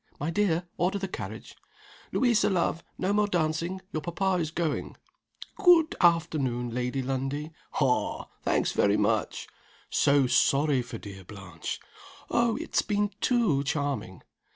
My dear, order the carriage" "Louisa, love, no more dancing; your papa is going." "Good afternoon, Lady Lundie!" "Haw! thanks very much!" "So sorry for dear Blanche!" "Oh, it's been too charming!"